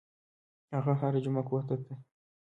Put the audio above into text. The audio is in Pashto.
هغه هره جمعه کور ته ته.